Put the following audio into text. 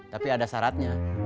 tapi ada syaratnya